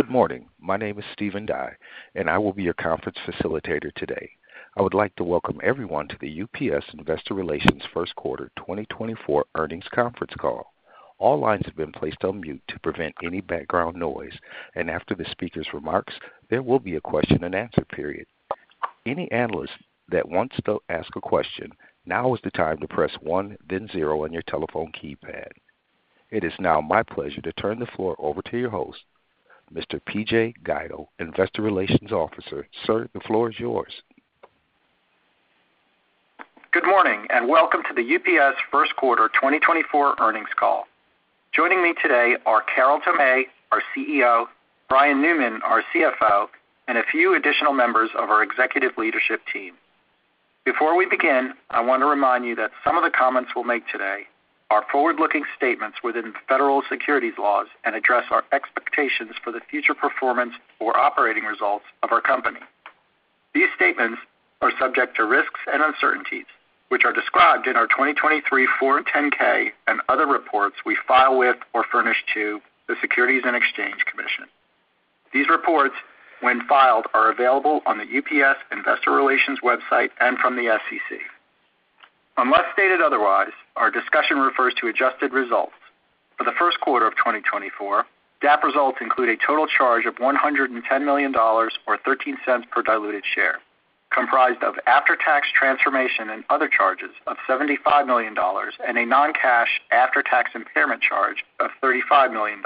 Good morning. My name is Stephen Dye, and I will be your conference facilitator today. I would like to welcome everyone to the UPS Investor Relations First Quarter 2024 Earnings Conference Call. All lines have been placed on mute to prevent any background noise, and after the speaker's remarks, there will be a question-and-answer period. Any analyst that wants to ask a question, now is the time to press one then zero on your telephone keypad. It is now my pleasure to turn the floor over to your host, Mr. P.J. Guido, Investor Relations Officer. Sir, the floor is yours. Good morning and welcome to the UPS First Quarter 2024 Earnings Call. Joining me today are Carol Tomé, our CEO; Brian Newman, our CFO; and a few additional members of our executive leadership team. Before we begin, I want to remind you that some of the comments we'll make today are forward-looking statements within federal securities laws and address our expectations for the future performance or operating results of our company. These statements are subject to risks and uncertainties, which are described in our 2024 10-K and other reports we file with or furnish to the Securities and Exchange Commission. These reports, when filed, are available on the UPS Investor Relations website and from the SEC. Unless stated otherwise, our discussion refers to adjusted results. For the first quarter of 2024, GAAP results include a total charge of $110 million or $0.13 per diluted share, comprised of after-tax transformation and other charges of $75 million and a non-cash after-tax impairment charge of $35 million,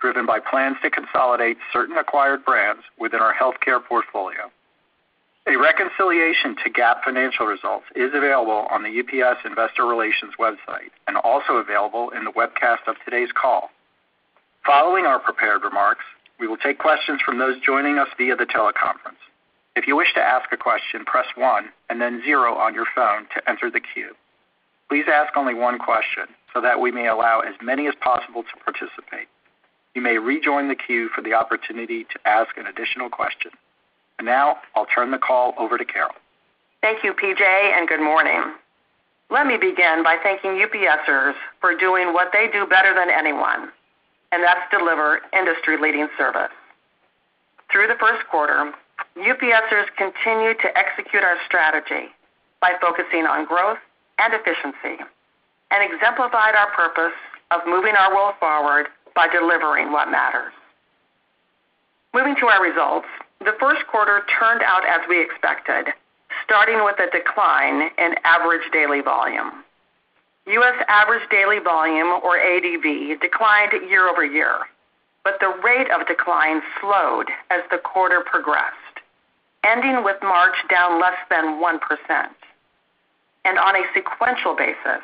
driven by plans to consolidate certain acquired brands within our healthcare portfolio. A reconciliation to GAAP financial results is available on the UPS Investor Relations website and also available in the webcast of today's call. Following our prepared remarks, we will take questions from those joining us via the teleconference. If you wish to ask a question, press one and then zero on your phone to enter the queue. Please ask only one question so that we may allow as many as possible to participate. You may rejoin the queue for the opportunity to ask an additional question. Now I'll turn the call over to Carol. Thank you, P.J., and good morning. Let me begin by thanking UPSers for doing what they do better than anyone, and that's deliver industry-leading service. Through the first quarter, UPSers continued to execute our strategy by focusing on growth and efficiency and exemplified our purpose of moving our world forward by delivering what matters. Moving to our results, the first quarter turned out as we expected, starting with a decline in average daily volume. U.S. average daily volume, or ADV, declined year-over-year, but the rate of decline slowed as the quarter progressed, ending with March down less than 1%. On a sequential basis,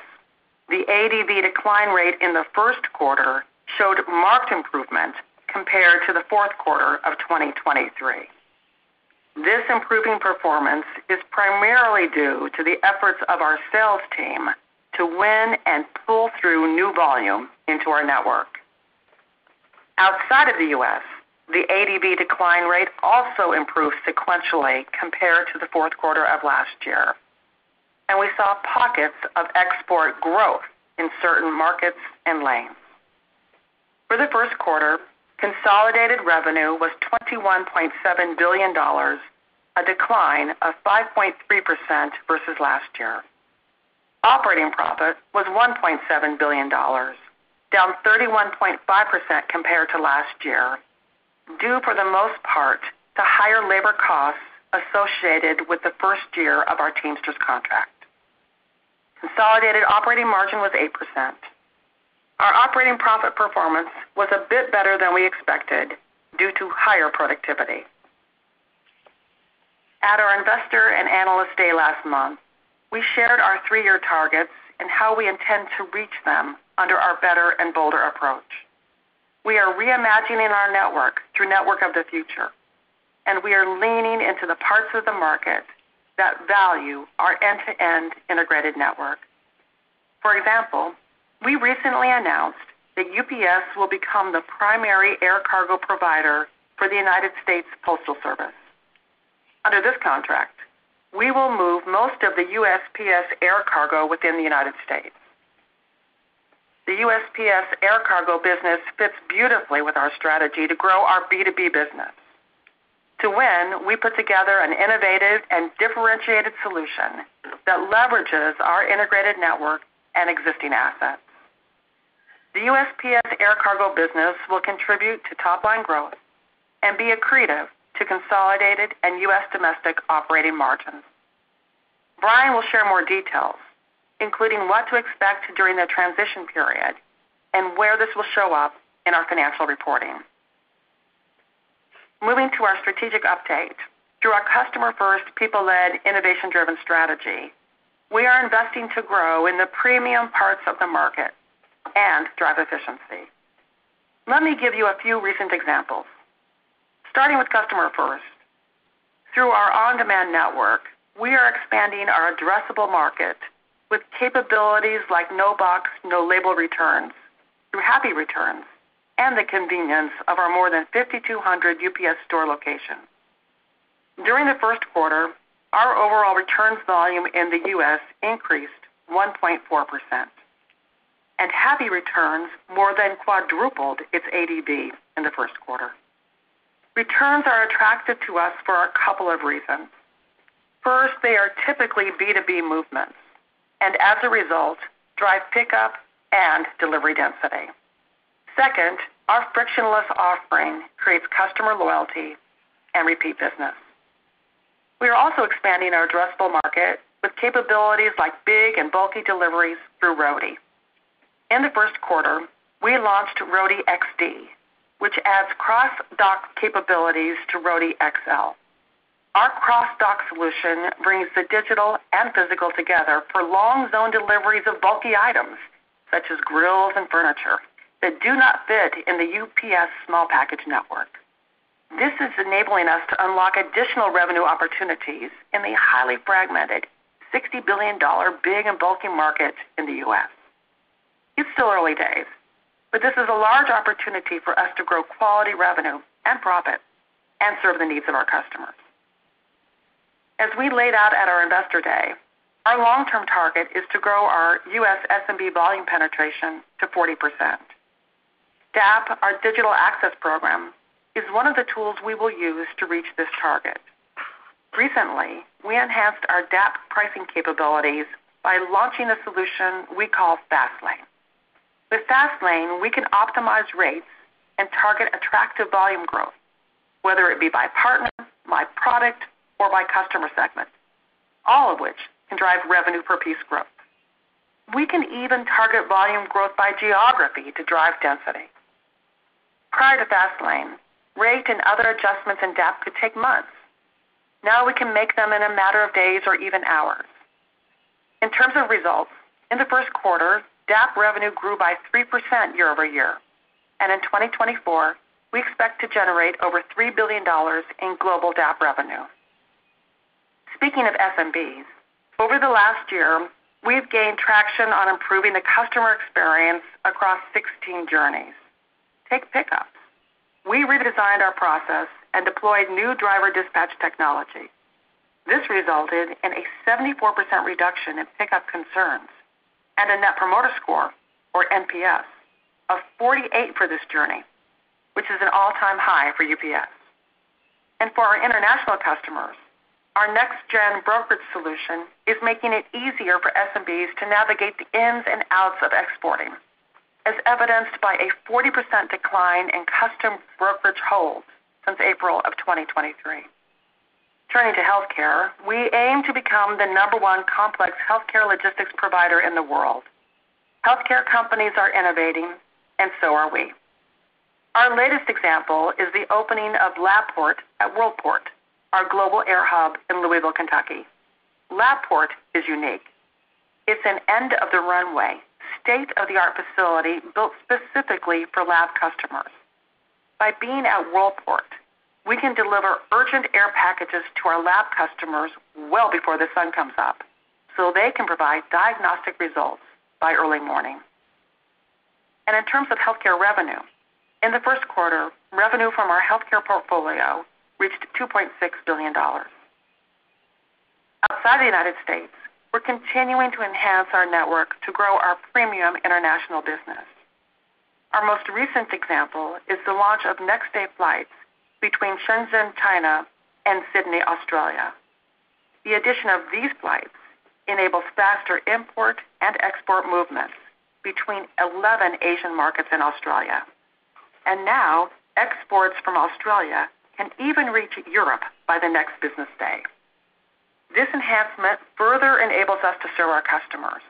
the ADV decline rate in the first quarter showed marked improvement compared to the fourth quarter of 2023. This improving performance is primarily due to the efforts of our sales team to win and pull through new volume into our network. Outside of the U.S., the ADV decline rate also improved sequentially compared to the fourth quarter of last year, and we saw pockets of export growth in certain markets and lanes. For the first quarter, consolidated revenue was $21.7 billion, a decline of 5.3% versus last year. Operating profit was $1.7 billion, down 31.5% compared to last year, due for the most part to higher labor costs associated with the first year of our Teamsters contract. Consolidated operating margin was 8%. Our operating profit performance was a bit better than we expected due to higher productivity. At our Investor and Analyst Day last month, we shared our three-year targets and how we intend to reach them under our Better and Bolder approach. We are reimagining our network through Network of the Future, and we are leaning into the parts of the market that value our end-to-end integrated network. For example, we recently announced that UPS will become the primary air cargo provider for the United States Postal Service. Under this contract, we will move most of the USPS air cargo within the United States. The USPS air cargo business fits beautifully with our strategy to grow our B2B business, too, when we put together an innovative and differentiated solution that leverages our integrated network and existing assets. The USPS air cargo business will contribute to top-line growth and be accretive to consolidated and U.S. domestic operating margins. Brian will share more details, including what to expect during the transition period and where this will show up in our financial reporting. Moving to our strategic update, through our Customer First, People Led, Innovation Driven strategy, we are investing to grow in the premium parts of the market and drive efficiency. Let me give you a few recent examples. Starting with customer first, through our on-demand network, we are expanding our addressable market with capabilities like no-box, no-label returns through Happy Returns and the convenience of our more than 5,200 UPS Store locations. During the first quarter, our overall returns volume in the U.S. increased 1.4%, and Happy Returns more than quadrupled its ADV in the first quarter. Returns are attractive to us for a couple of reasons. First, they are typically B2B movements and, as a result, drive pickup and delivery density. Second, our frictionless offering creates customer loyalty and repeat business. We are also expanding our addressable market with capabilities like big and bulky deliveries through Roadie. In the first quarter, we launched RoadieXD, which adds cross-dock capabilities to RoadieXL. Our cross-dock solution brings the digital and physical together for long-zone deliveries of bulky items such as grills and furniture that do not fit in the UPS Small Package network. This is enabling us to unlock additional revenue opportunities in the highly fragmented, $60 billion big and bulky market in the U.S. It's still early days, but this is a large opportunity for us to grow quality revenue and profit and serve the needs of our customers. As we laid out at our Investor Day, our long-term target is to grow our U.S. SMB volume penetration to 40%. DAP, our digital access program, is one of the tools we will use to reach this target. Recently, we enhanced our DAP pricing capabilities by launching a solution we call Fast Lane. With Fast Lane, we can optimize rates and target attractive volume growth, whether it be by partner, by product, or by customer segment, all of which can drive revenue-per-piece growth. We can even target volume growth by geography to drive density. Prior to Fast Lane, rate and other adjustments in DAP could take months. Now we can make them in a matter of days or even hours. In terms of results, in the first quarter, DAP revenue grew by 3% year-over-year, and in 2024, we expect to generate over $3 billion in global DAP revenue. Speaking of SMBs, over the last year, we've gained traction on improving the customer experience across 16 journeys. Take pickups. We redesigned our process and deployed new driver dispatch technology. This resulted in a 74% reduction in pickup concerns and a net promoter score, or NPS, of 48 for this journey, which is an all-time high for UPS. For our international customers, our Next Gen Brokerage solution is making it easier for SMBs to navigate the ins and outs of exporting, as evidenced by a 40% decline in customs brokerage holds since April of 2023. Turning to healthcare, we aim to become the number one complex healthcare logistics provider in the world. Healthcare companies are innovating, and so are we. Our latest example is the opening of Labport at Worldport, our global air hub in Louisville, Kentucky. Labport is unique. It's an end-of-the-runway, state-of-the-art facility built specifically for lab customers. By being at Worldport, we can deliver urgent air packages to our lab customers well before the sun comes up so they can provide diagnostic results by early morning. In terms of healthcare revenue, in the first quarter, revenue from our healthcare portfolio reached $2.6 billion. Outside the United States, we're continuing to enhance our network to grow our premium international business. Our most recent example is the launch of next-day flights between Shenzhen, China, and Sydney, Australia. The addition of these flights enables faster import and export movements between 11 Asian markets and Australia, and now exports from Australia can even reach Europe by the next business day. This enhancement further enables us to serve our customers,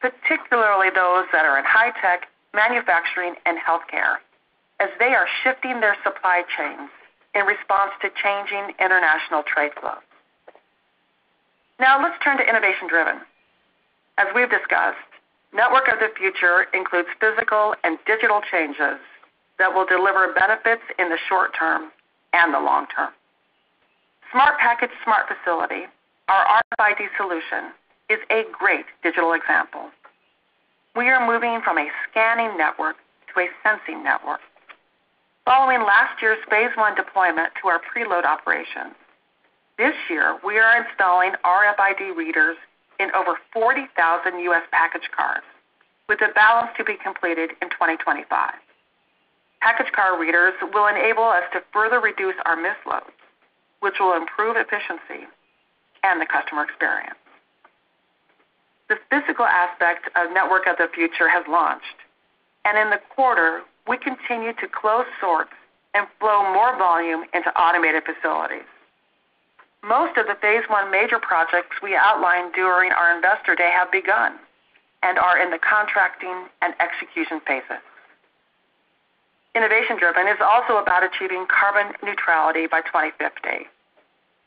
particularly those that are in high-tech manufacturing and healthcare, as they are shifting their supply chains in response to changing international trade flows. Now let's turn to innovation-driven. As we've discussed, Network of the Future includes physical and digital changes that will deliver benefits in the short term and the long term. Smart Package Smart Facility, our RFID solution, is a great digital example. We are moving from a scanning network to a sensing network. Following last year's phase one deployment to our preload operations, this year we are installing RFID readers in over 40,000 U.S. package cars, with a balance to be completed in 2025. Package car readers will enable us to further reduce our misloads, which will improve efficiency and the customer experience. The physical aspect of Network of the Future has launched, and in the quarter, we continue to close sources and flow more volume into automated facilities. Most of the phase one major projects we outlined during our Investor Day have begun and are in the contracting and execution phases. Innovation-driven is also about achieving carbon neutrality by 2050.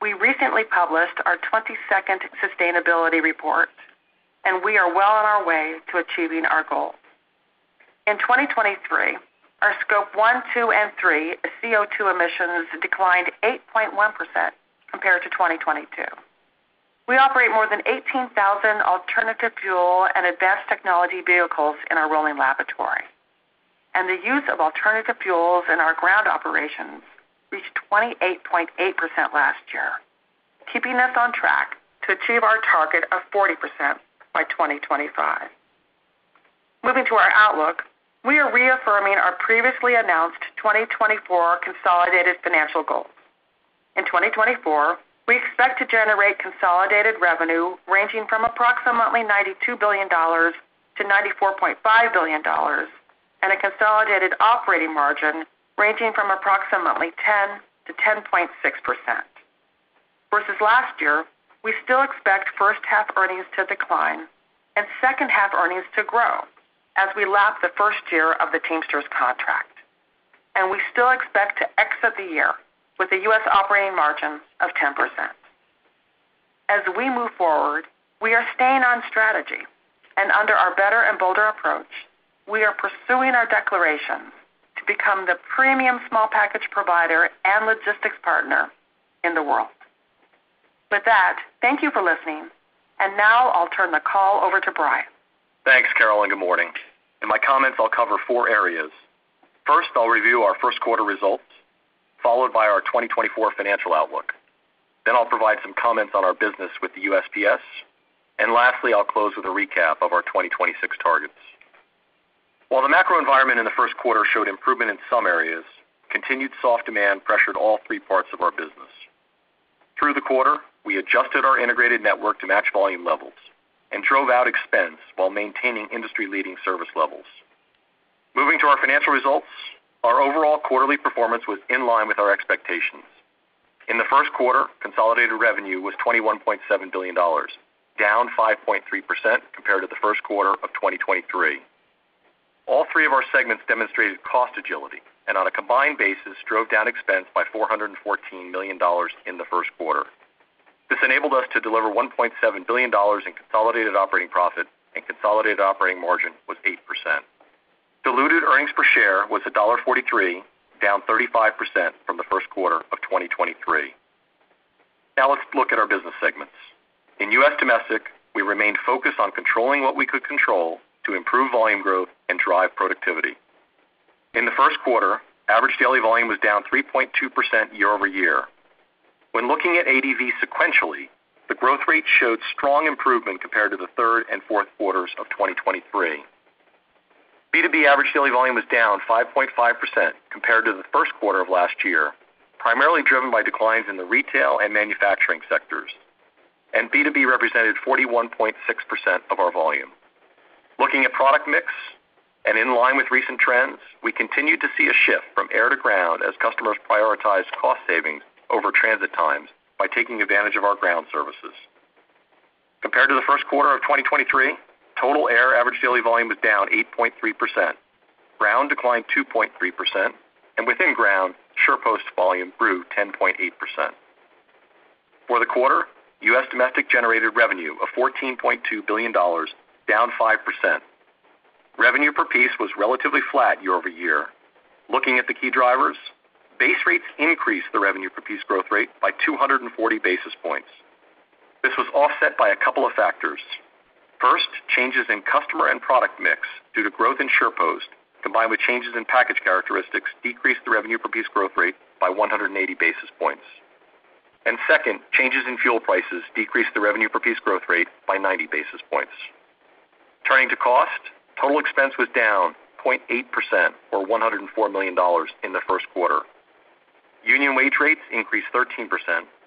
We recently published our 22nd sustainability report, and we are well on our way to achieving our goal. In 2023, our Scope 1, 2, and 3 CO2 emissions declined 8.1% compared to 2022. We operate more than 18,000 alternative fuel and advanced technology vehicles in our rolling laboratory, and the use of alternative fuels in our ground operations reached 28.8% last year, keeping us on track to achieve our target of 40% by 2025. Moving to our outlook, we are reaffirming our previously announced 2024 consolidated financial goals. In 2024, we expect to generate consolidated revenue ranging from approximately $92 billion-$94.5 billion and a consolidated operating margin ranging from approximately 10%-10.6%. Versus last year, we still expect first-half earnings to decline and second-half earnings to grow as we lap the first year of the Teamsters contract, and we still expect to exit the year with a U.S. operating margin of 10%. As we move forward, we are staying on strategy, and under our better and bolder approach, we are pursuing our declarations to become the premium small package provider and logistics partner in the world. With that, thank you for listening, and now I'll turn the call over to Brian. Thanks, Carol, and good morning. In my comments, I'll cover four areas. First, I'll review our first quarter results, followed by our 2024 financial outlook. Then I'll provide some comments on our business with the USPS, and lastly, I'll close with a recap of our 2026 targets. While the macro environment in the first quarter showed improvement in some areas, continued soft demand pressured all three parts of our business. Through the quarter, we adjusted our integrated network to match volume levels and drove out expense while maintaining industry-leading service levels. Moving to our financial results, our overall quarterly performance was in line with our expectations. In the first quarter, consolidated revenue was $21.7 billion, down 5.3% compared to the first quarter of 2023. All three of our segments demonstrated cost agility and, on a combined basis, drove down expense by $414 million in the first quarter. This enabled us to deliver $1.7 billion in consolidated operating profit, and consolidated operating margin was 8%. Diluted earnings per share was $1.43, down 35% from the first quarter of 2023. Now let's look at our business segments. In U.S. domestic, we remained focused on controlling what we could control to improve volume growth and drive productivity. In the first quarter, average daily volume was down 3.2% year-over-year. When looking at ADV sequentially, the growth rate showed strong improvement compared to the third and fourth quarters of 2023. B2B average daily volume was down 5.5% compared to the first quarter of last year, primarily driven by declines in the retail and manufacturing sectors, and B2B represented 41.6% of our volume. Looking at product mix and in line with recent trends, we continued to see a shift from air to ground as customers prioritized cost savings over transit times by taking advantage of our ground services. Compared to the first quarter of 2023, total air average daily volume was down 8.3%, ground declined 2.3%, and within ground, SurePost volume grew 10.8%. For the quarter, U.S. domestic generated revenue of $14.2 billion, down 5%. Revenue per piece was relatively flat year-over-year. Looking at the key drivers, base rates increased the revenue per piece growth rate by 240 basis points. This was offset by a couple of factors. First, changes in customer and product mix due to growth in SurePost, combined with changes in package characteristics, decreased the revenue per piece growth rate by 180 basis points. Second, changes in fuel prices decreased the revenue per piece growth rate by 90 basis points. Turning to cost, total expense was down 0.8%, or $104 million, in the first quarter. Union wage rates increased 13%,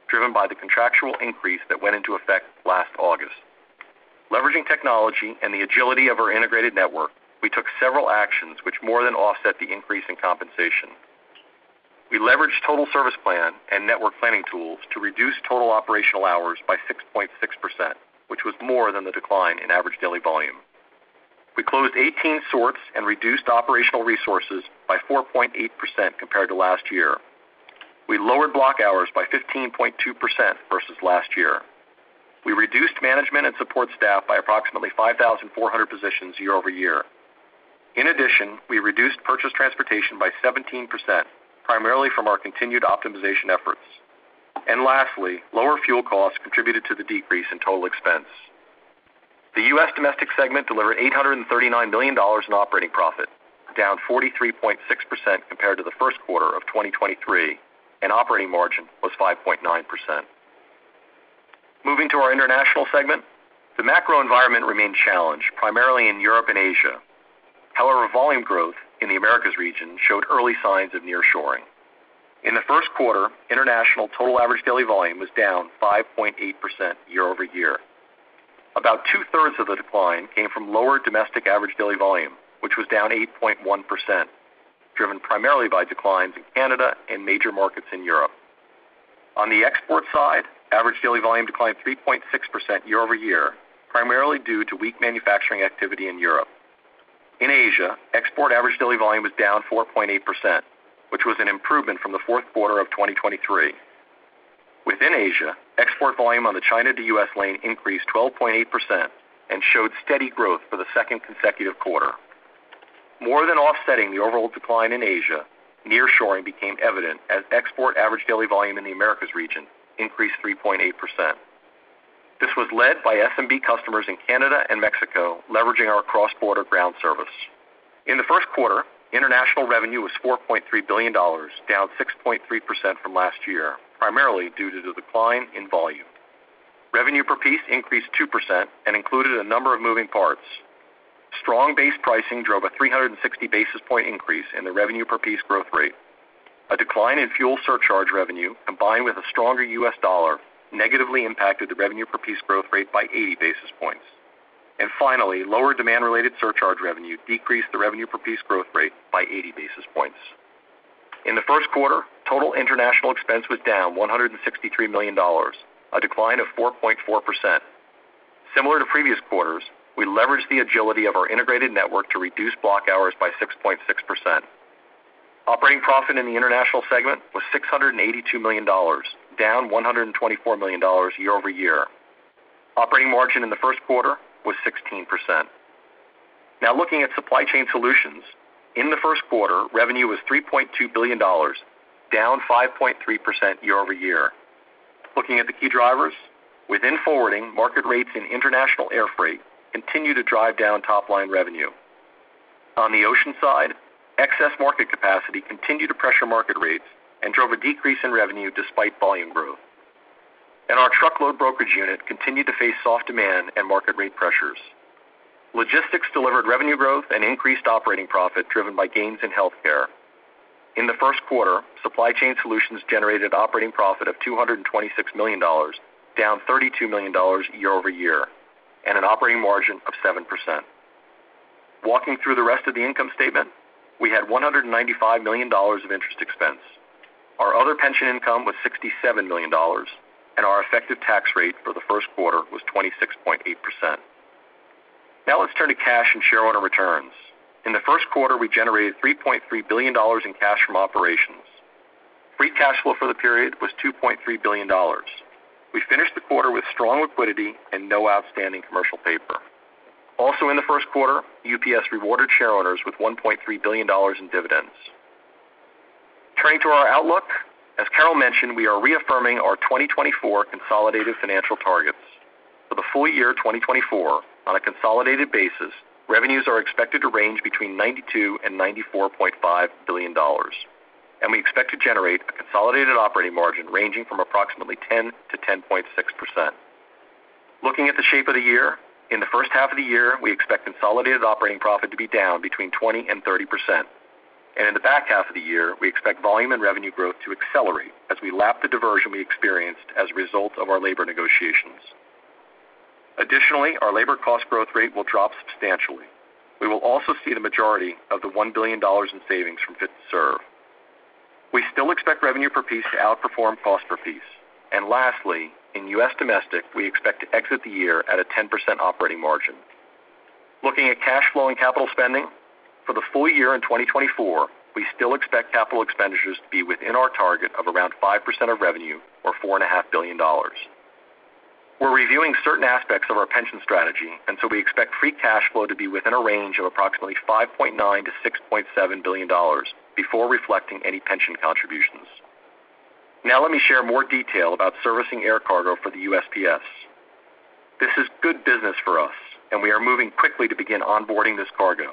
driven by the contractual increase that went into effect last August. Leveraging technology and the agility of our integrated network, we took several actions which more than offset the increase in compensation. We leveraged Total Service Plan and network planning tools to reduce total operational hours by 6.6%, which was more than the decline in average daily volume. We closed 18 sorts and reduced operational resources by 4.8% compared to last year. We lowered block hours by 15.2% versus last year. We reduced management and support staff by approximately 5,400 positions year-over-year. In addition, we reduced purchased transportation by 17%, primarily from our continued optimization efforts. And lastly, lower fuel costs contributed to the decrease in total expense. The U.S. domestic segment delivered $839 million in operating profit, down 43.6% compared to the first quarter of 2023, and operating margin was 5.9%. Moving to our international segment, the macro environment remained challenged, primarily in Europe and Asia. However, volume growth in the Americas region showed early signs of near-shoring. In the first quarter, international total average daily volume was down 5.8% year-over-year. About 2/3 of the decline came from lower domestic average daily volume, which was down 8.1%, driven primarily by declines in Canada and major markets in Europe. On the export side, average daily volume declined 3.6% year-over-year, primarily due to weak manufacturing activity in Europe. In Asia, export average daily volume was down 4.8%, which was an improvement from the fourth quarter of 2023. Within Asia, export volume on the China to U.S. lane increased 12.8% and showed steady growth for the second consecutive quarter. More than offsetting the overall decline in Asia, near-shoring became evident as export average daily volume in the Americas region increased 3.8%. This was led by SMB customers in Canada and Mexico leveraging our cross-border ground service. In the first quarter, international revenue was $4.3 billion, down 6.3% from last year, primarily due to the decline in volume. Revenue per piece increased 2% and included a number of moving parts. Strong base pricing drove a 360 basis point increase in the revenue per piece growth rate. A decline in fuel surcharge revenue, combined with a stronger U.S. dollar, negatively impacted the revenue per piece growth rate by 80 basis points. Finally, lower demand-related surcharge revenue decreased the revenue per piece growth rate by 80 basis points. In the first quarter, total international expense was down $163 million, a decline of 4.4%. Similar to previous quarters, we leveraged the agility of our integrated network to reduce block hours by 6.6%. Operating profit in the international segment was $682 million, down $124 million year-over-year. Operating margin in the first quarter was 16%. Now looking at Supply Chain Solutions, in the first quarter, revenue was $3.2 billion, down 5.3% year-over-year. Looking at the key drivers, within forwarding, market rates in international air freight continue to drive down top-line revenue. On the ocean side, excess market capacity continued to pressure market rates and drove a decrease in revenue despite volume growth. Our truckload brokerage unit continued to face soft demand and market rate pressures. Logistics delivered revenue growth and increased operating profit driven by gains in healthcare. In the first quarter, Supply Chain Solutions generated operating profit of $226 million, down $32 million year-over-year, and an operating margin of 7%. Walking through the rest of the income statement, we had $195 million of interest expense. Our other pension income was $67 million, and our effective tax rate for the first quarter was 26.8%. Now let's turn to cash and shareholder returns. In the first quarter, we generated $3.3 billion in cash from operations. Free cash flow for the period was $2.3 billion. We finished the quarter with strong liquidity and no outstanding commercial paper. Also in the first quarter, UPS rewarded shareholders with $1.3 billion in dividends. Turning to our outlook, as Carol mentioned, we are reaffirming our 2024 consolidated financial targets. For the full year 2024, on a consolidated basis, revenues are expected to range between $92 billion-$94.5 billion, and we expect to generate a consolidated operating margin ranging from approximately 10%-10.6%. Looking at the shape of the year, in the first half of the year, we expect consolidated operating profit to be down between 20%-30%. And in the back half of the year, we expect volume and revenue growth to accelerate as we lap the diversion we experienced as a result of our labor negotiations. Additionally, our labor cost growth rate will drop substantially. We will also see the majority of the $1 billion in savings from Fit to Serve. We still expect revenue per piece to outperform cost per piece. And lastly, in U.S. domestic, we expect to exit the year at a 10% operating margin. Looking at cash flow and capital spending, for the full year in 2024, we still expect capital expenditures to be within our target of around 5% of revenue, or $4.5 billion. We're reviewing certain aspects of our pension strategy, and so we expect free cash flow to be within a range of approximately $5.9 billion-$6.7 billion before reflecting any pension contributions. Now let me share more detail about servicing air cargo for the USPS. This is good business for us, and we are moving quickly to begin onboarding this cargo.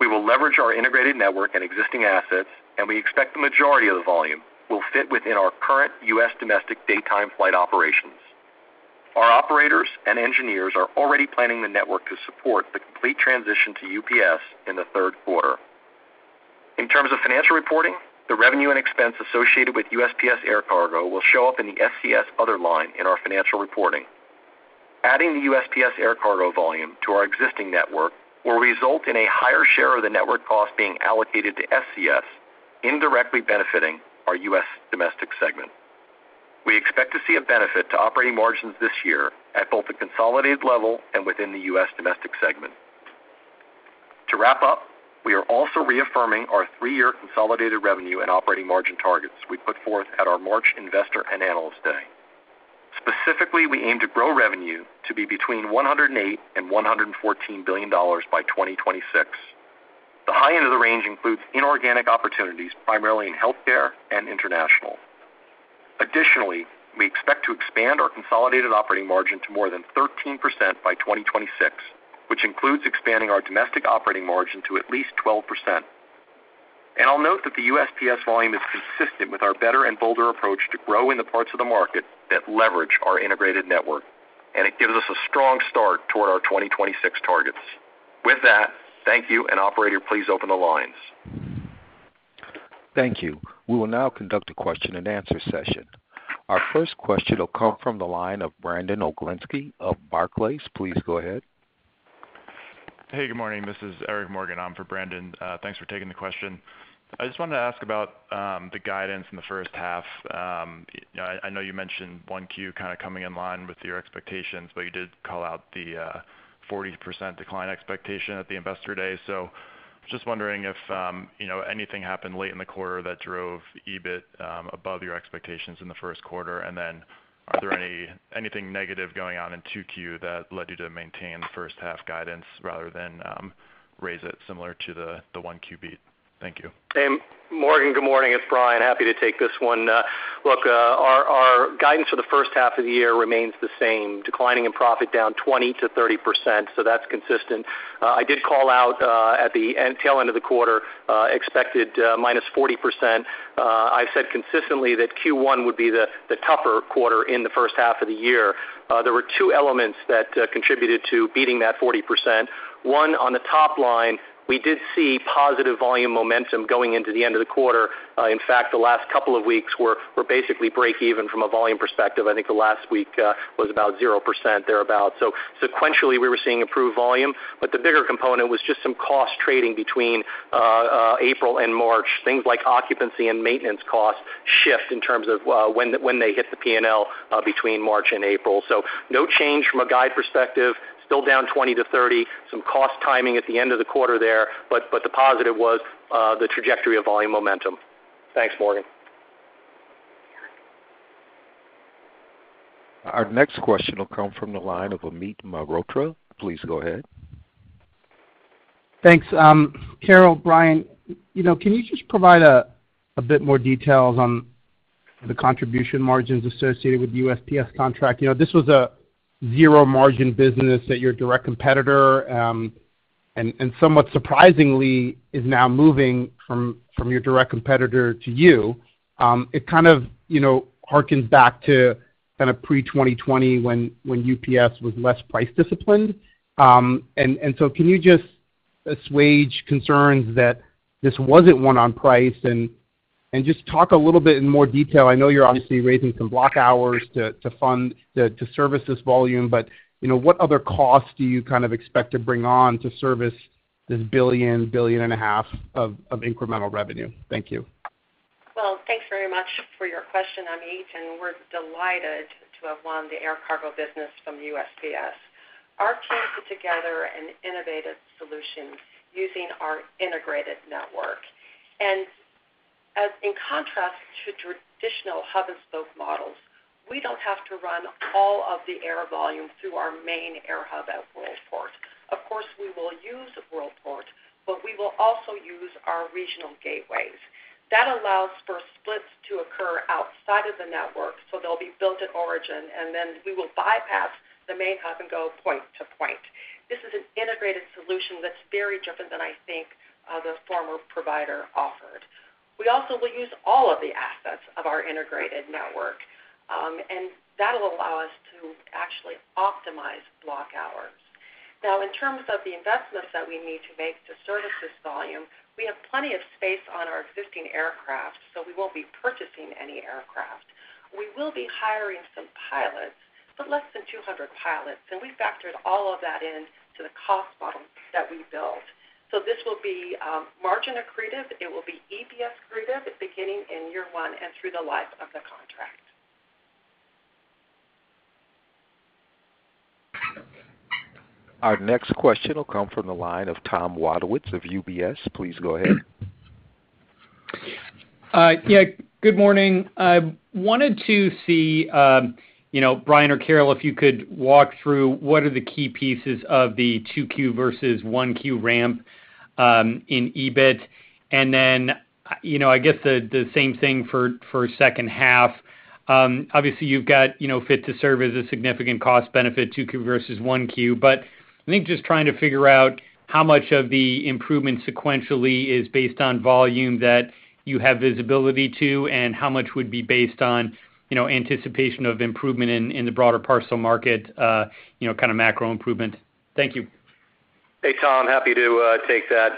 We will leverage our integrated network and existing assets, and we expect the majority of the volume will fit within our current U.S. domestic daytime flight operations. Our operators and engineers are already planning the network to support the complete transition to UPS in the third quarter. In terms of financial reporting, the revenue and expense associated with USPS air cargo will show up in the SCS other line in our financial reporting. Adding the USPS air cargo volume to our existing network will result in a higher share of the network cost being allocated to SCS, indirectly benefiting our U.S. domestic segment. We expect to see a benefit to operating margins this year at both the consolidated level and within the U.S. domestic segment. To wrap up, we are also reaffirming our three-year consolidated revenue and operating margin targets we put forth at our March Investor and Analyst Day. Specifically, we aim to grow revenue to be between $108 billion and $114 billion by 2026. The high end of the range includes inorganic opportunities, primarily in healthcare and international. Additionally, we expect to expand our consolidated operating margin to more than 13% by 2026, which includes expanding our domestic operating margin to at least 12%. I'll note that the USPS volume is consistent with our better and bolder approach to grow in the parts of the market that leverage our integrated network, and it gives us a strong start toward our 2026 targets. With that, thank you, and operator, please open the lines. Thank you. We will now conduct a question-and-answer session. Our first question will come from the line of Brandon Oglensky of Barclays. Please go ahead. Hey, good morning. This is Eric Morgan. I'm for Brandon. Thanks for taking the question. I just wanted to ask about the guidance in the first half. I know you mentioned 1Q kind of coming in line with your expectations, but you did call out the 40% decline expectation at the Investor Day. So just wondering if anything happened late in the quarter that drove EBIT above your expectations in the first quarter, and then are there anything negative going on in 2Q that led you to maintain the first half guidance rather than raise it similar to the 1Q beat? Thank you. Morgan, good morning. It's Brian. Happy to take this one. Look, our guidance for the first half of the year remains the same, declining in profit down 20%-30%, so that's consistent. I did call out at the tail end of the quarter expected -40%. I've said consistently that Q1 would be the tougher quarter in the first half of the year. There were two elements that contributed to beating that 40%. One, on the top line, we did see positive volume momentum going into the end of the quarter. In fact, the last couple of weeks were basically break-even from a volume perspective. I think the last week was about zero percent thereabouts. So sequentially, we were seeing improved volume, but the bigger component was just some cost trading between April and March. Things like occupancy and maintenance costs shift in terms of when they hit the P&L between March and April. So no change from a guide perspective, still down 20%-30%, some cost timing at the end of the quarter there, but the positive was the trajectory of volume momentum. Thanks, Morgan. Our next question will come from the line of Amit Mehrotra. Please go ahead. Thanks. Carol, Brian, can you just provide a bit more details on the contribution margins associated with the USPS contract? This was a zero-margin business at your direct competitor and, somewhat surprisingly, is now moving from your direct competitor to you. It kind of harkens back to kind of pre-2020 when UPS was less price disciplined. And so can you just assuage concerns that this wasn't one-on-price and just talk a little bit in more detail? I know you're obviously raising some block hours to service this volume, but what other costs do you kind of expect to bring on to service this $1 billion-$1.5 billion of incremental revenue? Thank you. Well, thanks very much for your question, Amit, and we're delighted to have won the air cargo business from the USPS. Our team put together an innovative solution using our integrated network. In contrast to traditional hub-and-spoke models, we don't have to run all of the air volume through our main air hub at Worldport. Of course, we will use Worldport, but we will also use our regional gateways. That allows for splits to occur outside of the network, so they'll be built at origin, and then we will bypass the main hub and go point to point. This is an integrated solution that's very different than, I think, the former provider offered. We also will use all of the assets of our integrated network, and that'll allow us to actually optimize block hours. Now, in terms of the investments that we need to make to service this volume, we have plenty of space on our existing aircraft, so we won't be purchasing any aircraft. We will be hiring some pilots, but less than 200 pilots, and we factored all of that into the cost model that we built. So this will be margin accretive. It will be EPS accretive beginning in year one and through the life of the contract. Our next question will come from the line of Tom Wadewitz of UBS. Please go ahead. Yeah, good morning. I wanted to see, Brian or Carol, if you could walk through what are the key pieces of the 2Q versus 1Q ramp in EBIT. And then I guess the same thing for second half. Obviously, you've got Fit to Serve as a significant cost benefit, 2Q versus 1Q, but I think just trying to figure out how much of the improvement sequentially is based on volume that you have visibility to and how much would be based on anticipation of improvement in the broader parcel market, kind of macro improvement. Thank you. Hey, Tom. Happy to take that.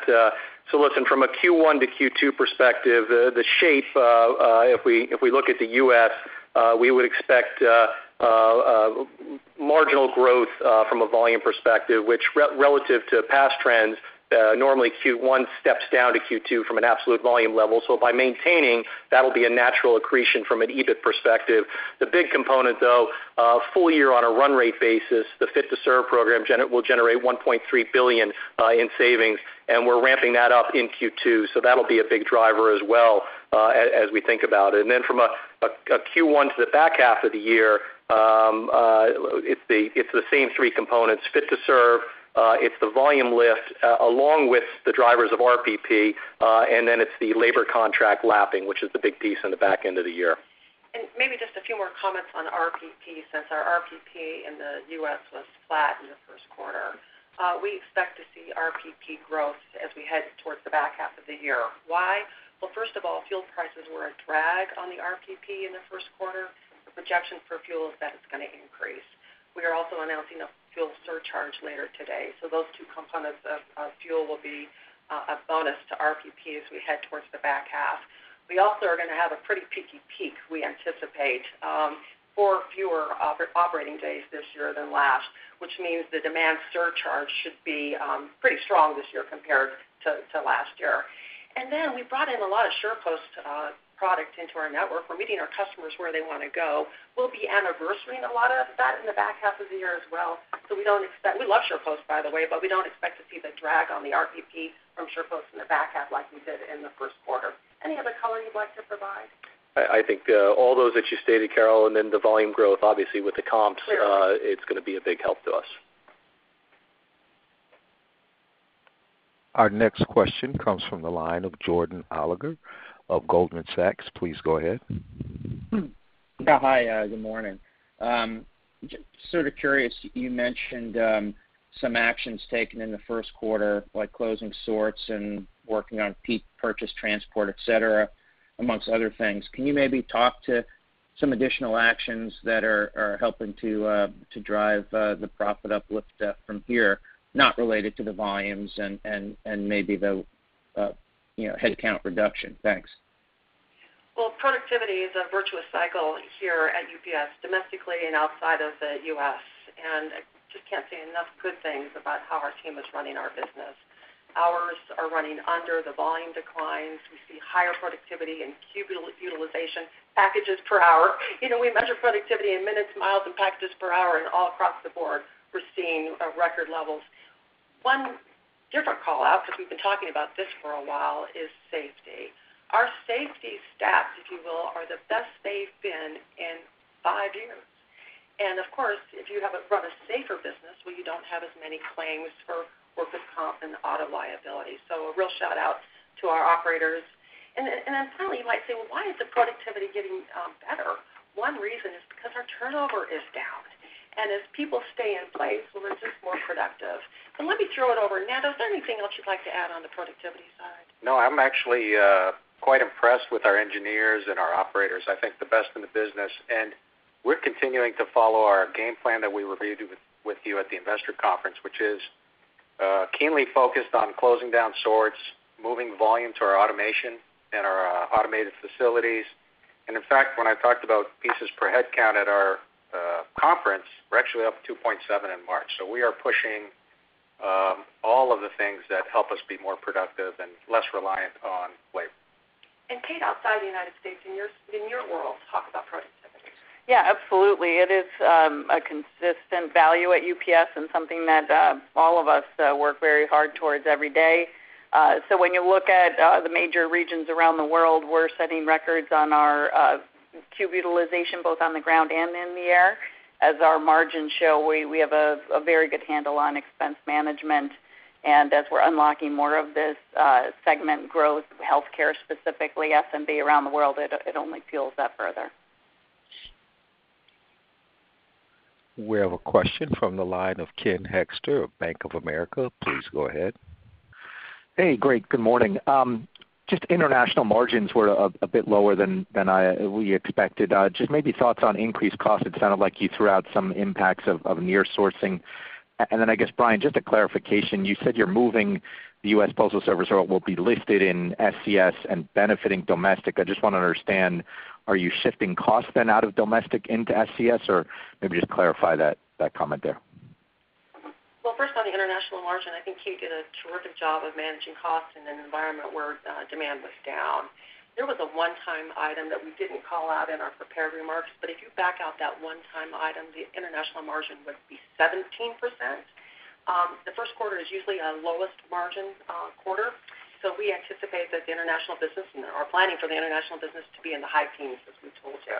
So listen, from a Q1 to Q2 perspective, the shape, if we look at the U.S., we would expect marginal growth from a volume perspective, which relative to past trends, normally Q1 steps down to Q2 from an absolute volume level. So by maintaining, that'll be a natural accretion from an EBIT perspective. The big component, though, full year on a run-rate basis, the Fit to Serve program will generate $1.3 billion in savings, and we're ramping that up in Q2. So that'll be a big driver as well as we think about it. And then from a Q1 to the back half of the year, it's the same three components: Fit to Serve, it's the volume lift along with the drivers of RPP, and then it's the labor contract lapping, which is the big piece in the back end of the year. Maybe just a few more comments on RPP since our RPP in the U.S. was flat in the first quarter. We expect to see RPP growth as we head towards the back half of the year. Why? Well, first of all, fuel prices were a drag on the RPP in the first quarter. The projection for fuel is that it's going to increase. We are also announcing a fuel surcharge later today. So those two components of fuel will be a bonus to RPP as we head towards the back half. We also are going to have a pretty peaky peak, we anticipate, for fewer operating days this year than last, which means the demand surcharge should be pretty strong this year compared to last year. And then we brought in a lot of SurePost product into our network. We're meeting our customers where they want to go. We'll be anniversarying a lot of that in the back half of the year as well. So we don't expect we love SurePost, by the way, but we don't expect to see the drag on the RPP from SurePost in the back half like we did in the first quarter. Any other color you'd like to provide? I think all those that you stated, Carol, and then the volume growth, obviously, with the comps, it's going to be a big help to us. Our next question comes from the line of Jordan Alliger of Goldman Sachs. Please go ahead. Yeah, hi. Good morning. Just sort of curious, you mentioned some actions taken in the first quarter like closing sorts and working on peak purchase transport, etc., among other things. Can you maybe talk to some additional actions that are helping to drive the profit uplift from here, not related to the volumes and maybe the headcount reduction? Thanks. Well, productivity is a virtuous cycle here at UPS, domestically and outside of the U.S., and I just can't say enough good things about how our team is running our business. Ours are running under the volume declines. We see higher productivity in cube utilization, packages per hour. We measure productivity in minutes, miles, and packages per hour, and all across the board, we're seeing record levels. One different callout because we've been talking about this for a while is safety. Our safety stats, if you will, are the best they've been in five years. Of course, if you have run a safer business, well, you don't have as many claims for workers' comp and auto liability. A real shout-out to our operators. Then finally, you might say, "Well, why is the productivity getting better?" One reason is because our turnover is down. As people stay in place, well, we're just more productive. Let me throw it over. Nando, is there anything else you'd like to add on the productivity side? No, I'm actually quite impressed with our engineers and our operators. I think the best in the business. And we're continuing to follow our game plan that we reviewed with you at the investor conference, which is keenly focused on closing down sorts, moving volume to our automation and our automated facilities. And in fact, when I talked about pieces per headcount at our conference, we're actually up 2.7 in March. So we are pushing all of the things that help us be more productive and less reliant on labor. Kate, outside the United States, in your world, talk about productivity. Yeah, absolutely. It is a consistent value at UPS and something that all of us work very hard towards every day. So when you look at the major regions around the world, we're setting records on our cube utilization, both on the ground and in the air. As our margins show, we have a very good handle on expense management. And as we're unlocking more of this segment growth, healthcare specifically, SMB around the world, it only fuels that further. We have a question from the line of Ken Hoexter of Bank of America. Please go ahead. Hey, great. Good morning. Just international margins were a bit lower than we expected. Just maybe thoughts on increased costs. It sounded like you threw out some impacts of nearshoring. And then I guess, Brian, just a clarification, you said you're moving the U.S. Postal Service or what will be listed in SCS and benefiting domestic. I just want to understand, are you shifting costs then out of domestic into SCS, or maybe just clarify that comment there? Well, first on the international margin, I think Kate did a terrific job of managing costs in an environment where demand was down. There was a one-time item that we didn't call out in our prepared remarks, but if you back out that one-time item, the international margin would be 17%. The first quarter is usually a lowest margin quarter, so we anticipate that the international business and our planning for the international business to be in the high teens, as we told you.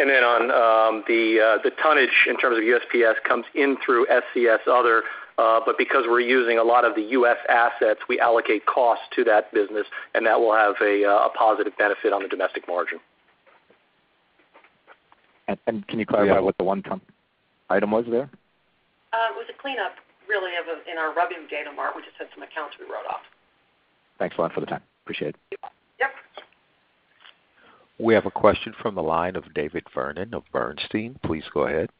And then on the tonnage in terms of USPS, comes in through SCS other, but because we're using a lot of the U.S. assets, we allocate costs to that business, and that will have a positive benefit on the domestic margin. Can you clarify what the 1-ton item was there? It was a cleanup, really, in our revenue data mart. We just had some accounts we wrote off. Thanks a lot for the time. Appreciate it. Yep. We have a question from the line of David Vernon of Bernstein. Please go ahead.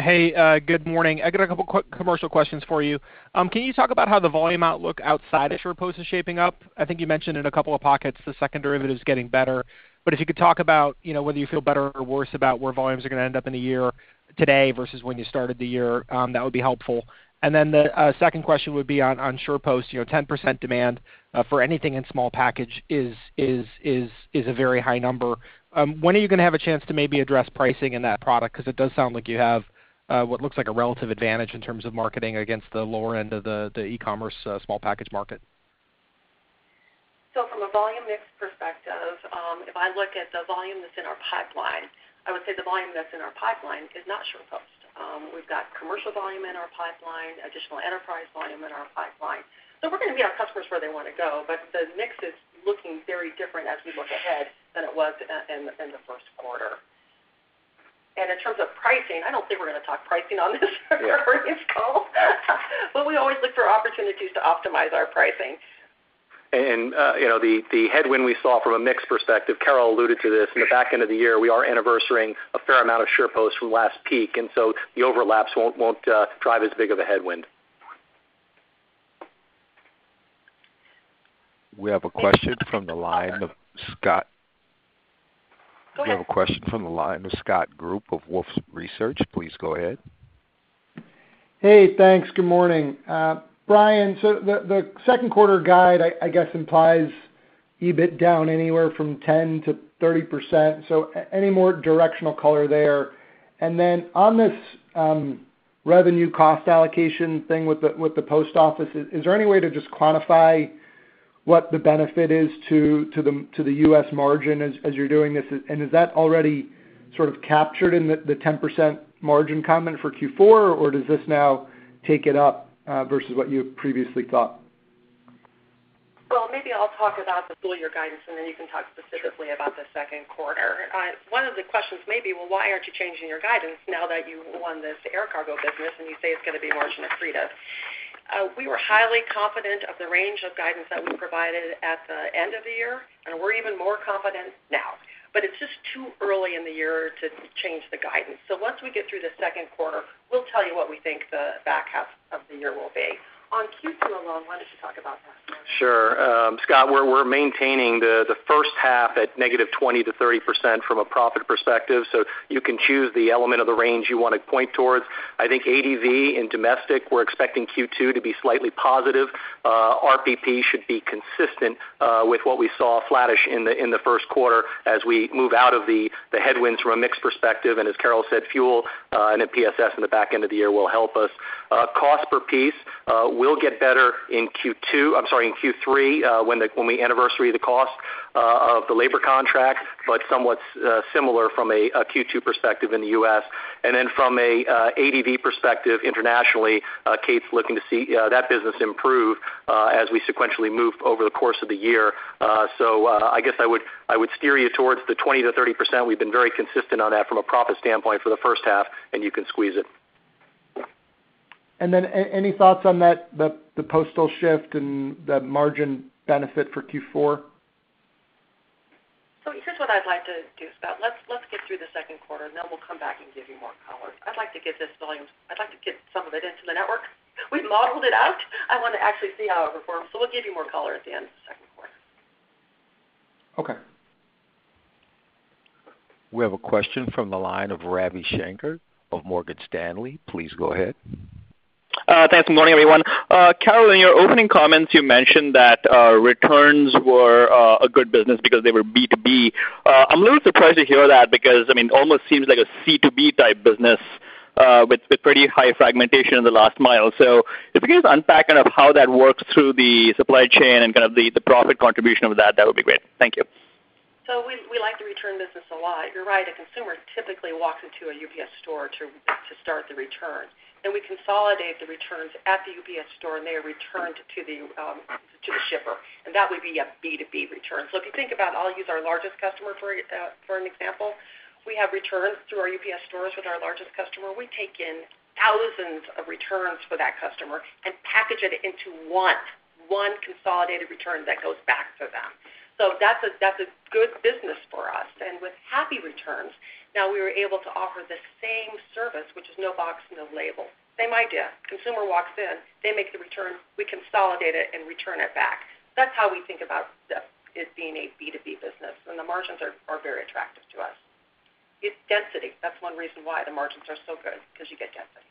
Hey, good morning. I got a couple of commercial questions for you. Can you talk about how the volume outlook outside of SurePost is shaping up? I think you mentioned in a couple of pockets the second derivative is getting better, but if you could talk about whether you feel better or worse about where volumes are going to end up in the year today versus when you started the year, that would be helpful. And then the second question would be on SurePost. 10% demand for anything in small package is a very high number. When are you going to have a chance to maybe address pricing in that product? Because it does sound like you have what looks like a relative advantage in terms of marketing against the lower end of the e-commerce small package market. So from a volume mix perspective, if I look at the volume that's in our pipeline, I would say the volume that's in our pipeline is not SurePost. We've got commercial volume in our pipeline, additional enterprise volume in our pipeline. So we're going to meet our customers where they want to go, but the mix is looking very different as we look ahead than it was in the first quarter. And in terms of pricing, I don't think we're going to talk pricing on this earlier in this call, but we always look for opportunities to optimize our pricing. The headwind we saw from a mix perspective, Carol alluded to this, in the back end of the year, we are anniversarying a fair amount of SurePost from last peak, and so the overlaps won't drive as big of a headwind. We have a question from the line of Scott. Go ahead. We have a question from the line of Scott Group of Wolfe Research. Please go ahead. Hey, thanks. Good morning. Brian, so the second quarter guide, I guess, implies EBIT down anywhere from 10%-30%, so any more directional color there. And then on this revenue cost allocation thing with the post office, is there any way to just quantify what the benefit is to the U.S. margin as you're doing this? And is that already sort of captured in the 10% margin comment for Q4, or does this now take it up versus what you previously thought? Well, maybe I'll talk about the full year guidance, and then you can talk specifically about the second quarter. One of the questions may be, "Well, why aren't you changing your guidance now that you won this air cargo business and you say it's going to be margin accretive?" We were highly confident of the range of guidance that we provided at the end of the year, and we're even more confident now, but it's just too early in the year to change the guidance. So once we get through the second quarter, we'll tell you what we think the back half of the year will be. On Q2 alone, why don't you talk about that, Brian? Sure. Scott, we're maintaining the first half at -20%-30% from a profit perspective, so you can choose the element of the range you want to point towards. I think ADV in domestic, we're expecting Q2 to be slightly positive. RPP should be consistent with what we saw flattish in the first quarter as we move out of the headwinds from a mixed perspective. And as Carol said, fuel and a PSS in the back end of the year will help us. Cost per piece, we'll get better in Q2 I'm sorry, in Q3 when we anniversary the cost of the labor contract, but somewhat similar from a Q2 perspective in the U.S. And then from an ADV perspective, internationally, Kate's looking to see that business improve as we sequentially move over the course of the year. So I guess I would steer you towards the 20%-30%. We've been very consistent on that from a profit standpoint for the first half, and you can squeeze it. Any thoughts on the postal shift and the margin benefit for Q4? So here's what I'd like to do, Scott. Let's get through the second quarter, and then we'll come back and give you more color. I'd like to get this volume. I'd like to get some of it into the network. We modeled it out. I want to actually see how it performs, so we'll give you more color at the end of the second quarter. Okay. We have a question from the line of Ravi Shanker of Morgan Stanley. Please go ahead. Thanks. Good morning, everyone. Carol, in your opening comments, you mentioned that returns were a good business because they were B2B. I'm a little surprised to hear that because, I mean, it almost seems like a C2B type business with pretty high fragmentation in the last mile. So if you can just unpack kind of how that works through the supply chain and kind of the profit contribution of that, that would be great. Thank you. We like to return business a lot. You're right. A consumer typically walks into a UPS Store to start the return, and we consolidate the returns at the UPS Store, and they are returned to the shipper. That would be a B2B return. If you think about it, I'll use our largest customer for an example. We have returns through our UPS Stores with our largest customer. We take in thousands of returns for that customer and package it into one, one consolidated return that goes back to them. That's a good business for us. With Happy Returns, now we were able to offer the same service, which is no box, no label. Same idea. Consumer walks in, they make the return, we consolidate it, and return it back. That's how we think about it being a B2B business, and the margins are very attractive to us. It's density. That's one reason why the margins are so good because you get density.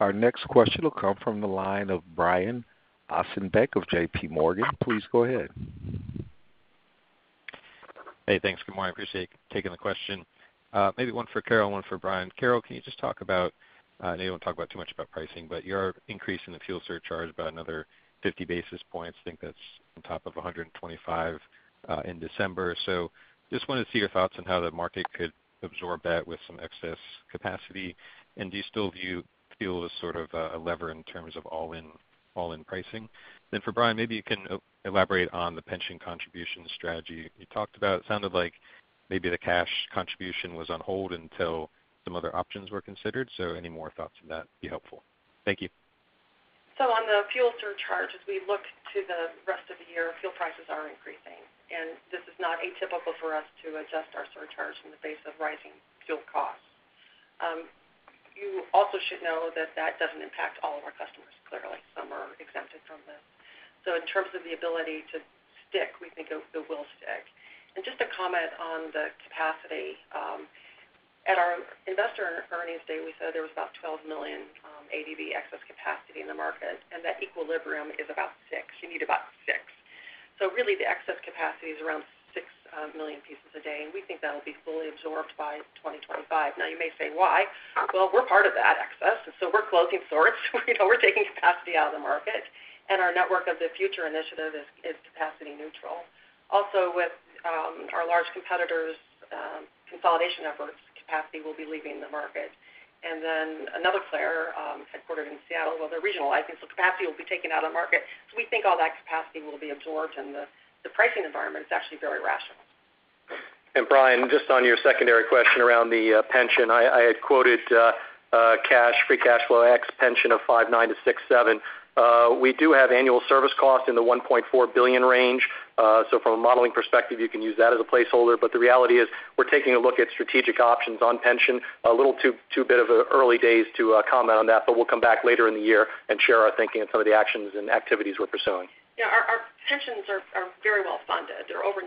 Our next question will come from the line of Brian Ossenbeck of JPMorgan. Please go ahead. Hey, thanks. Good morning. Appreciate taking the question. Maybe one for Carol, one for Brian. Carol, can you just talk about and you don't want to talk about too much about pricing, but your increase in the fuel surcharge by another 50 basis points, I think that's on top of 125 basis point in December. So just wanted to see your thoughts on how the market could absorb that with some excess capacity. And do you still view fuel as sort of a lever in terms of all-in pricing? Then for Brian, maybe you can elaborate on the pension contribution strategy you talked about. It sounded like maybe the cash contribution was on hold until some other options were considered. So any more thoughts on that would be helpful. Thank you. So on the fuel surcharge, as we look to the rest of the year, fuel prices are increasing, and this is not atypical for us to adjust our surcharge in the face of rising fuel costs. You also should know that that doesn't impact all of our customers, clearly. Some are exempted from this. So in terms of the ability to stick, we think it will stick. And just a comment on the capacity. At our investor earnings day, we said there was about 12 million ADV excess capacity in the market, and that equilibrium is about 6 million. You need about 6 million. So really, the excess capacity is around 6 million pieces a day, and we think that'll be fully absorbed by 2025. Now, you may say, "Why?" Well, we're part of that excess, and so we're closing sorts. We're taking capacity out of the market, and our Network of the Future initiative is capacity neutral. Also, with our large competitors' consolidation efforts, capacity will be leaving the market. And then another player, headquartered in Seattle, well, they're regionalizing, so capacity will be taken out of the market. So we think all that capacity will be absorbed, and the pricing environment is actually very rational. And Brian, just on your secondary question around the pension, I had quoted free cash flow ex pension of $59 million-$67 million. We do have annual service costs in the $1.4 billion range. So from a modeling perspective, you can use that as a placeholder, but the reality is we're taking a look at strategic options on pension. A little too early, a bit of early days to comment on that, but we'll come back later in the year and share our thinking and some of the actions and activities we're pursuing. Yeah, our pensions are very well funded. They're over 90%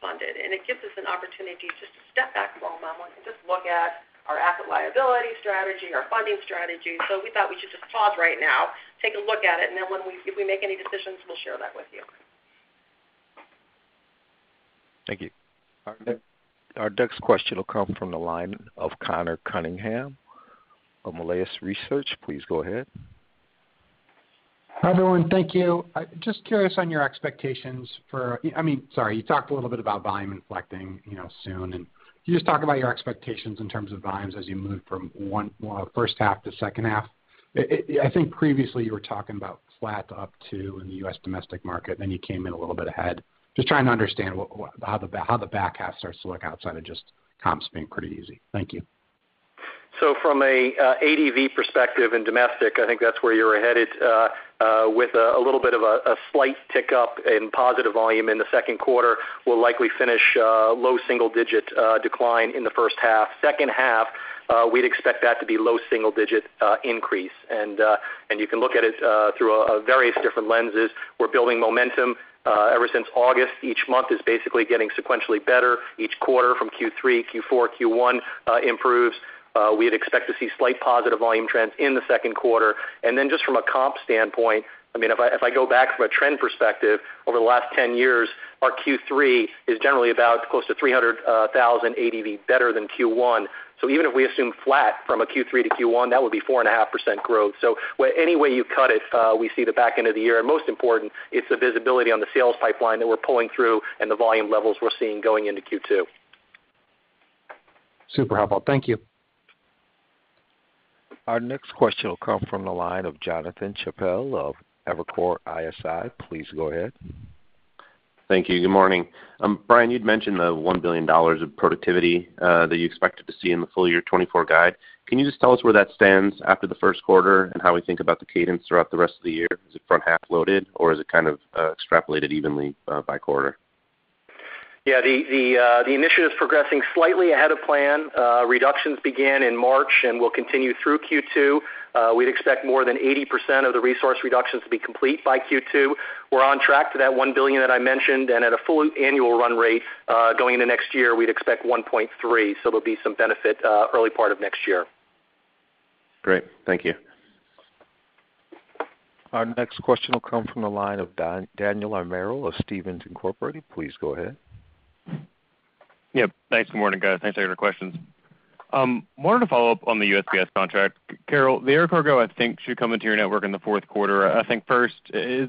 funded, and it gives us an opportunity just to step back for a moment and just look at our asset liability strategy, our funding strategy. So we thought we should just pause right now, take a look at it, and then if we make any decisions, we'll share that with you. Thank you. Our next question will come from the line of Conor Cunningham of Melius Research. Please go ahead. Hi everyone. Thank you. Just curious on your expectations for—I mean, sorry—you talked a little bit about volume inflecting soon, and can you just talk about your expectations in terms of volumes as you move from first half to second half? I think previously, you were talking about flat up to in the US domestic market, and then you came in a little bit ahead. Just trying to understand how the back half starts to look outside of just comps being pretty easy. Thank you. So from an ADV perspective in domestic, I think that's where you're ahead with a little bit of a slight tickup in positive volume in the second quarter. We'll likely finish low single-digit decline in the first half. Second half, we'd expect that to be low single-digit increase, and you can look at it through various different lenses. We're building momentum ever since August. Each month is basically getting sequentially better. Each quarter from Q3, Q4, Q1 improves. We'd expect to see slight positive volume trends in the second quarter. And then just from a comp standpoint, I mean, if I go back from a trend perspective, over the last 10 years, our Q3 is generally about close to 300,000 ADV better than Q1. So even if we assume flat from a Q3 to Q1, that would be 4.5% growth. Any way you cut it, we see the back end of the year. Most important, it's the visibility on the sales pipeline that we're pulling through and the volume levels we're seeing going into Q2. Super helpful. Thank you. Our next question will come from the line of Jonathan Chappell of Evercore ISI. Please go ahead. Thank you. Good morning. Brian, you'd mentioned the $1 billion of productivity that you expected to see in the full year 2024 guide. Can you just tell us where that stands after the first quarter and how we think about the cadence throughout the rest of the year? Is it front half loaded, or is it kind of extrapolated evenly by quarter? Yeah, the initiative is progressing slightly ahead of plan. Reductions began in March and will continue through Q2. We'd expect more than 80% of the resource reductions to be complete by Q2. We're on track to that $1 billion that I mentioned, and at a full annual run rate going into next year, we'd expect $1.3 billion, so there'll be some benefit early part of next year. Great. Thank you. Our next question will come from the line of Daniel Imbro of Stephens Inc. Please go ahead. Yep. Thanks. Good morning, guys. Thanks for your questions. Wanted to follow up on the USPS contract. Carol, the air cargo, I think, should come into your network in the fourth quarter. I think first, is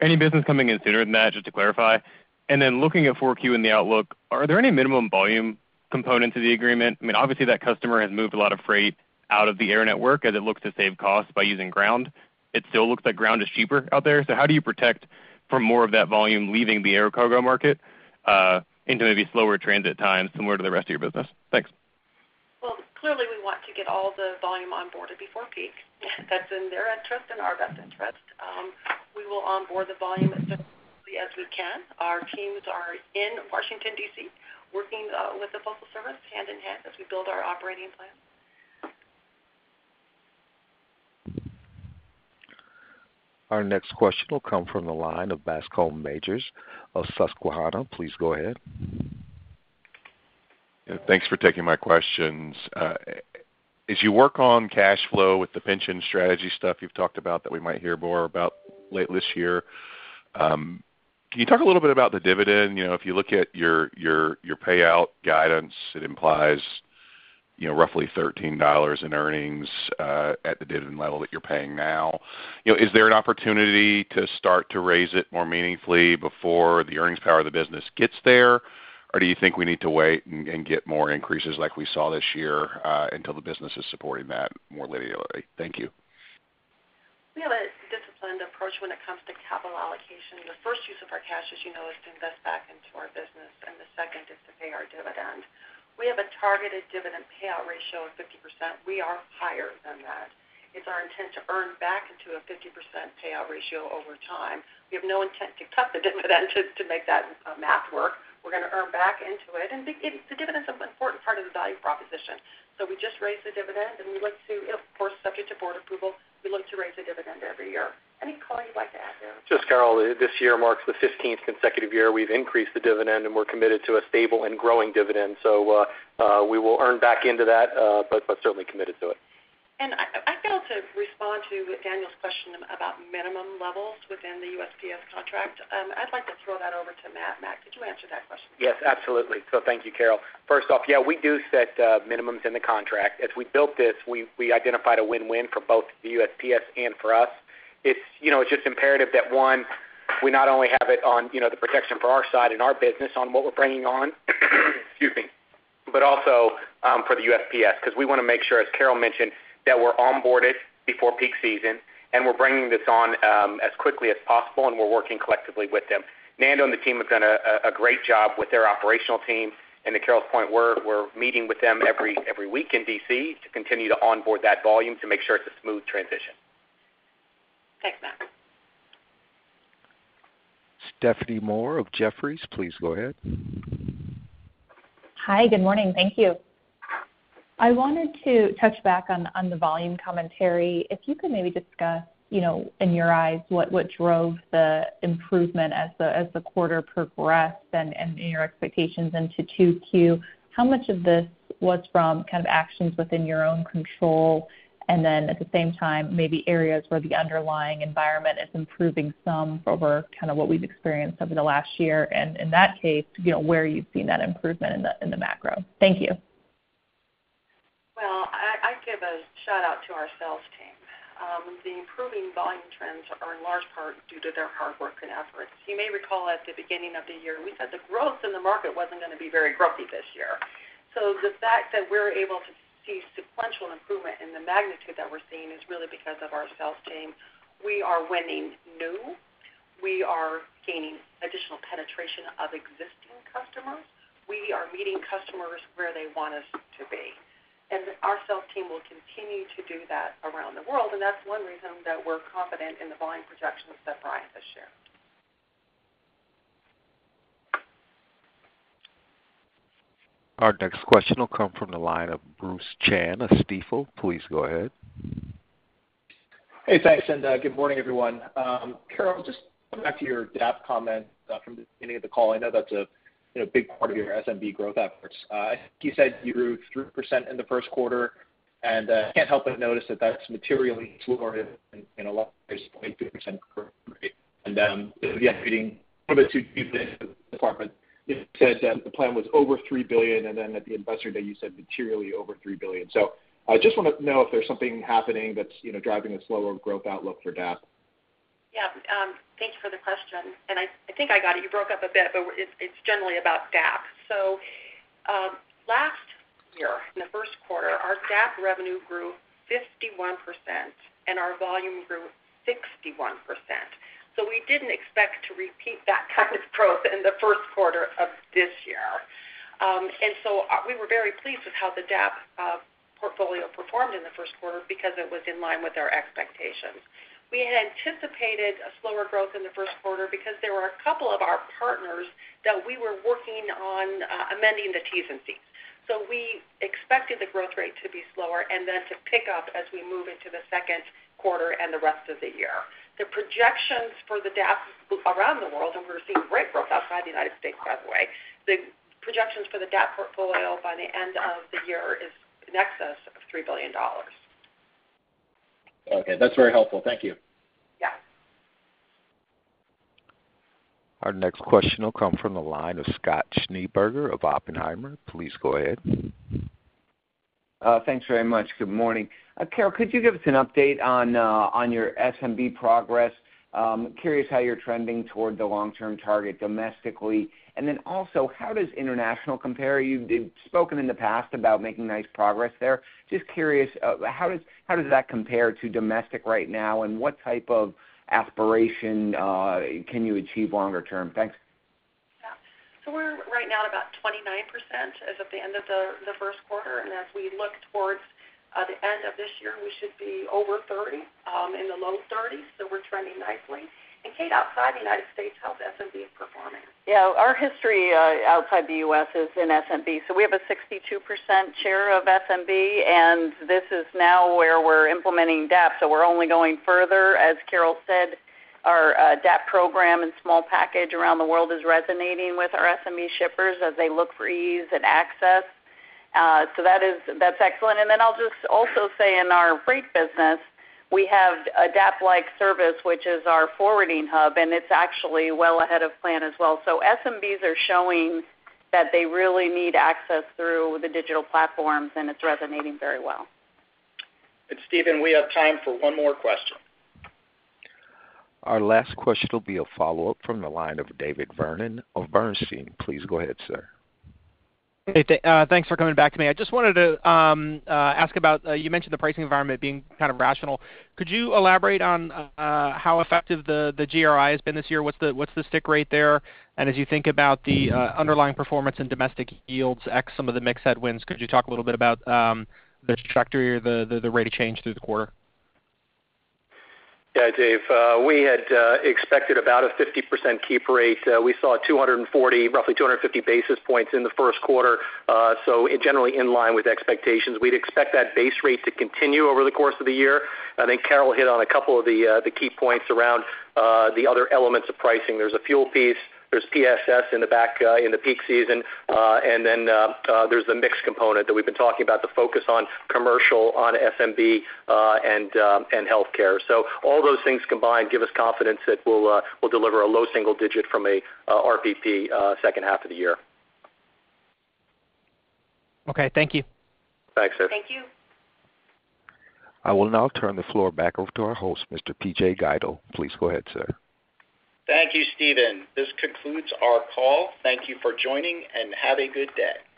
any business coming in sooner than that, just to clarify? And then looking at 4Q in the outlook, are there any minimum volume components of the agreement? I mean, obviously, that customer has moved a lot of freight out of the air network as it looks to save costs by using ground. It still looks like ground is cheaper out there. So how do you protect from more of that volume leaving the air cargo market into maybe slower transit times similar to the rest of your business? Thanks. Well, clearly, we want to get all the volume onboarded before peak. That's in their interest and our best interest. We will onboard the volume as soon as we can. Our teams are in Washington, D.C., working with the postal service hand in hand as we build our operating plan. Our next question will come from the line of Bascome Majors of Susquehanna. Please go ahead. Yeah, thanks for taking my questions. As you work on cash flow with the pension strategy stuff you've talked about that we might hear more about late this year, can you talk a little bit about the dividend? If you look at your payout guidance, it implies roughly $13 in earnings at the dividend level that you're paying now. Is there an opportunity to start to raise it more meaningfully before the earnings power of the business gets there, or do you think we need to wait and get more increases like we saw this year until the business is supporting that more linearly? Thank you. We have a disciplined approach when it comes to capital allocation. The first use of our cash, as you know, is to invest back into our business, and the second is to pay our dividend. We have a targeted dividend payout ratio of 50%. We are higher than that. It's our intent to earn back into a 50% payout ratio over time. We have no intent to cut the dividend to make that math work. We're going to earn back into it, and the dividend's an important part of the value proposition. So we just raise the dividend, and we look to of course, subject to board approval, we look to raise the dividend every year. Any color you'd like to add there? Just Carol, this year marks the 15th consecutive year we've increased the dividend, and we're committed to a stable and growing dividend. So we will earn back into that, but certainly committed to it. I failed to respond to Daniel's question about minimum levels within the USPS contract. I'd like to throw that over to Matt. Matt, could you answer that question? Yes, absolutely. So thank you, Carol. First off, yeah, we do set minimums in the contract. As we built this, we identified a win-win for both the USPS and for us. It's just imperative that, one, we not only have it on the protection for our side and our business on what we're bringing on - excuse me - but also for the USPS because we want to make sure, as Carol mentioned, that we're onboarded before peak season, and we're bringing this on as quickly as possible, and we're working collectively with them. Nando and the team have done a great job with their operational team. And to Carol's point, we're meeting with them every week in D.C. to continue to onboard that volume to make sure it's a smooth transition. Thanks, Matt. Stephanie Moore of Jefferies. Please go ahead. Hi. Good morning. Thank you. I wanted to touch back on the volume commentary. If you could maybe discuss, in your eyes, what drove the improvement as the quarter progressed and your expectations into 2Q, how much of this was from kind of actions within your own control and then, at the same time, maybe areas where the underlying environment is improving some over kind of what we've experienced over the last year? And in that case, where you've seen that improvement in the macro? Thank you. Well, I'd give a shout-out to our sales team. The improving volume trends are in large part due to their hard work and efforts. You may recall at the beginning of the year, we said the growth in the market wasn't going to be very growthy this year. So the fact that we're able to see sequential improvement in the magnitude that we're seeing is really because of our sales team. We are winning new. We are gaining additional penetration of existing customers. We are meeting customers where they want us to be. And our sales team will continue to do that around the world, and that's one reason that we're confident in the volume projections that Brian has shared. Our next question will come from the line of Bruce Chan of Stifel. Please go ahead. Hey, thanks, and good morning, everyone. Carol, just coming back to your DAP comment from the beginning of the call, I know that's a big part of your SMB growth efforts. I think you said you grew 3% in the first quarter, and I can't help but notice that that's materially slower than a lot of your 2% growth rate. And yeah, it's being a little bit too big for the department. You said the plan was over $3 billion, and then at the Investor Day, you said materially over $3 billion. So I just want to know if there's something happening that's driving a slower growth outlook for DAP. Yeah. Thank you for the question, and I think I got it. You broke up a bit, but it's generally about DAP. So last year, in the first quarter, our DAP revenue grew 51%, and our volume grew 61%. So we didn't expect to repeat that kind of growth in the first quarter of this year. And so we were very pleased with how the DAP portfolio performed in the first quarter because it was in line with our expectations. We had anticipated a slower growth in the first quarter because there were a couple of our partners that we were working on amending the Ts and Cs. So we expected the growth rate to be slower and then to pick up as we move into the second quarter and the rest of the year. The projections for the DAP around the world - and we're seeing great growth outside the United States, by the way - the projections for the DAP portfolio by the end of the year is in excess of $3 billion. Okay. That's very helpful. Thank you. Yeah. Our next question will come from the line of Scott Schneeberger of Oppenheimer. Please go ahead. Thanks very much. Good morning. Carol, could you give us an update on your SMB progress? Curious how you're trending toward the long-term target domestically, and then also, how does international compare? You've spoken in the past about making nice progress there. Just curious, how does that compare to domestic right now, and what type of aspiration can you achieve longer term? Thanks. Yeah. So we're right now at about 29% as of the end of the first quarter, and as we look towards the end of this year, we should be over 30%, in the low 30%s. So we're trending nicely. And Kate, outside the United States, how's SMB performing? Yeah. Our history outside the U.S. is in SMB. So we have a 62% share of SMB, and this is now where we're implementing DAP. So we're only going further. As Carol said, our DAP program and small package around the world is resonating with our SMB shippers as they look for ease and access. So that's excellent. And then I'll just also say, in our freight business, we have a DAP-like service, which is our Forwarding Hub, and it's actually well ahead of plan as well. So SMBs are showing that they really need access through the digital platforms, and it's resonating very well. Stephen, we have time for one more question. Our last question will be a follow-up from the line of David Vernon of Bernstein. Please go ahead, sir. Hey, thanks for coming back to me. I just wanted to ask about you mentioned the pricing environment being kind of rational. Could you elaborate on how effective the GRI has been this year? What's the stick rate there? And as you think about the underlying performance and domestic yields ex some of the mix headwinds, could you talk a little bit about the trajectory or the rate of change through the quarter? Yeah, Dave. We had expected about a 50% keep rate. We saw roughly 250 basis points in the first quarter, so generally in line with expectations. We'd expect that base rate to continue over the course of the year. I think Carol hit on a couple of the key points around the other elements of pricing. There's a fuel piece. There's PSS in the peak season. And then there's the mix component that we've been talking about, the focus on commercial, on SMB, and healthcare. So all those things combined give us confidence that we'll deliver a low single digit from an RPP second half of the year. Okay. Thank you. Thanks, sir. Thank you. I will now turn the floor back over to our host, Mr. P.J. Guido. Please go ahead, sir. Thank you, Stephen. This concludes our call. Thank you for joining, and have a good day.